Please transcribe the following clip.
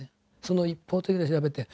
一方的に調べて。